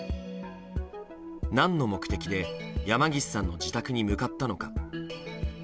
何の目的で山岸さんの自宅に向かったのか。